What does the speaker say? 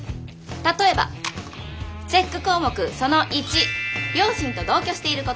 例えばチェック項目その①両親と同居している事。